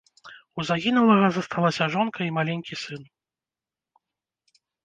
У загінулага засталася жонка і маленькі сын.